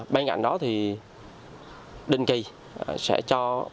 bên cạnh đó thì đình kỳ sẽ cho